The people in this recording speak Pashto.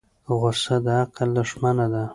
غصه د عقل دښمنه ده.